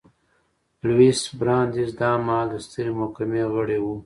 لویس براندیز دا مهال د سترې محکمې غړی و.